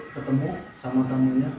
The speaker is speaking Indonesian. ketemu sama tamunya